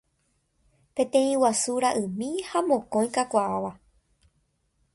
Peteĩ guasu ra'ymi ha mokõi kakuaáva.